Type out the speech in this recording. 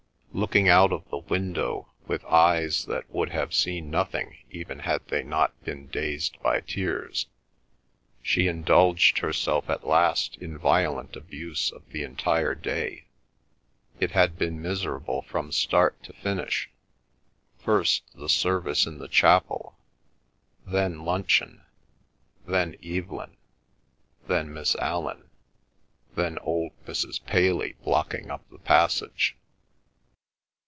Looking out of the window with eyes that would have seen nothing even had they not been dazed by tears, she indulged herself at last in violent abuse of the entire day. It had been miserable from start to finish; first, the service in the chapel; then luncheon; then Evelyn; then Miss Allan; then old Mrs. Paley blocking up the passage.